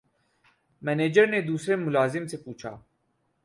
manager نے دوسرے ملازم سے پوچھا